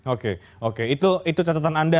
oke oke itu catatan anda